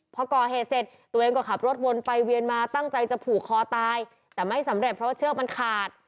พอก่อเหตุเสร็จตัวเองก็ขับรถวนไปเวียนมาตั้งใจจะผูกคอตายแต่ไม่สำเร็จเพราะว่าเชือกมันขาด